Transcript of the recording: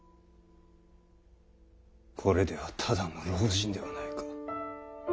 これではただの老人ではないか。